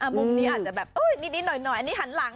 มุมนี้อาจจะแบบนิดหน่อยอันนี้หันหลัง